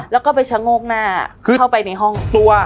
แล้วก็ไปชะโงกหน้าเข้าไปในห้องกลัว